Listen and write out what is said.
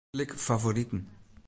Klik Favoriten.